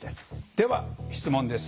では質問です。